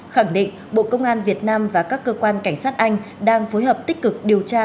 khẳng định bộ công an việt nam và các cơ quan cảnh sát anh đang phối hợp tích cực điều tra